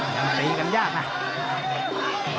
ยังตีกันยากนะ